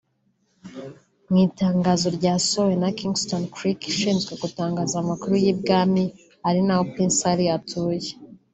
Mu itangazo ryasohowe na Kensington Clerk ishinzwe gutangaza amakuru y’Ibwami ari naho Prince Harry atuye